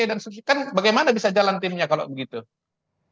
dan bagaimana bisa jalan timnya kalau begitu